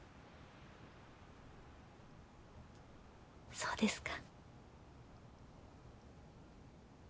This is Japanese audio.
そうですか。